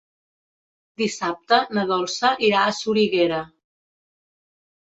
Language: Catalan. Dissabte na Dolça irà a Soriguera.